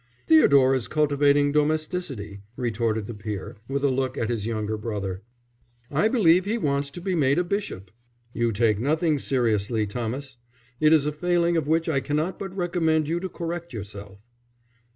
"Theodore is cultivating domesticity," retorted the peer, with a look at his younger brother. "I believe he wants to be made a bishop." "You take nothing seriously, Thomas. It is a failing of which I cannot but recommend you to correct yourself."